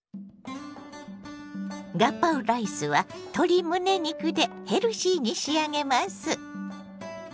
ガパオライスは鶏むね肉でヘルシーに仕上げます。